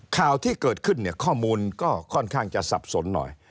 ข่าวที่เกิดขึ้นเนี่ยข้อมูลก็ค่อนข้างจะสับสนหน่อย